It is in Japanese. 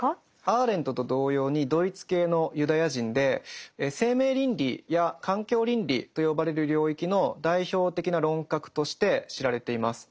アーレントと同様にドイツ系のユダヤ人で生命倫理や環境倫理と呼ばれる領域の代表的な論客として知られています。